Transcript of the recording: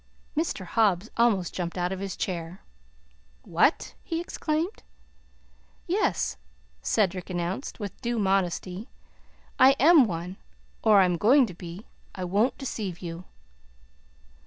Mr. Hobbs almost jumped out of his chair. "What!" he exclaimed. "Yes," Cedric announced, with due modesty; "I am one or I am going to be. I won't deceive you."